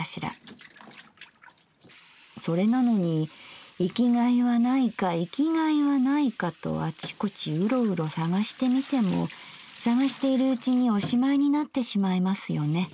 それなのに生きがいはないか生きがいはないかとあちこちウロウロ探してみても探しているうちにおしまいになってしまいますよね。